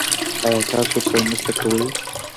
ایا تاسو ورسره مرسته کوئ؟